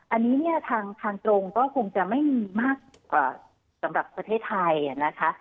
อันนี้เนี่ยทางตรงก็คงจะไม่มีมากกว่าสำหรับประเทศไทยนะคะ